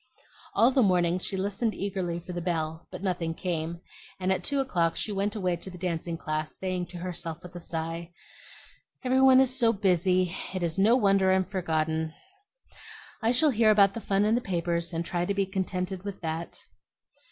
All the morning she listened eagerly for the bell, but nothing came; and at two o'clock she went away to the dancing class, saying to herself with a sigh, "Every one is so busy, it is no wonder I'm forgotten. I shall hear about the fun in the papers, and try to be contented with that."